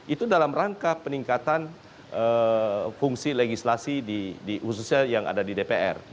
itu dalam rangka peningkatan fungsi legislasi di khususnya yang ada di dpr gitu loh pak